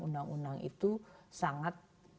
undang undang itu sangat